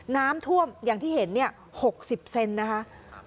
น้ำท่วมอย่างที่เห็น๖๐เซนนะคะ